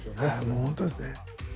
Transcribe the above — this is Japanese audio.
もう本当ですね。